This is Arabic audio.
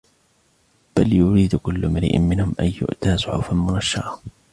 بَلْ يُرِيدُ كُلُّ امْرِئٍ مِّنْهُمْ أَن يُؤْتَى صُحُفًا مُّنَشَّرَةً